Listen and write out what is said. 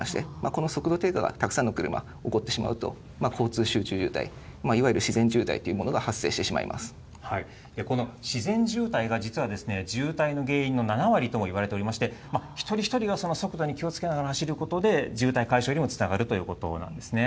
この速度低下がたくさんの車起こってしまうと、交通集中渋滞、いわゆる自然渋滞というものが発生してしこの自然渋滞が実は渋滞の原因の７割ともいわれておりまして、一人一人がその速度に気をつけながら走ることで渋滞解消にもつながるということなんですね。